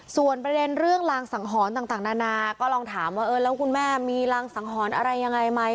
ส่วนประเด็นเรื่องรางสังหรณ์ต่างนานาก็ลองถามว่าเออแล้วคุณแม่มีรางสังหรณ์อะไรยังไงไหม